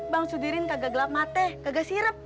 bang sudirin kagak gelap matah kagak sirap